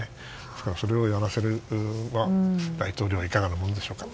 ですから、それをやらせる大統領はいかがなものでしょうか。